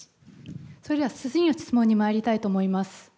それでは次の質問にまいりたいと思います。